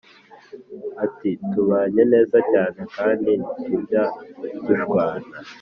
Ati tubanye neza cyane kandi ntitujya dushwana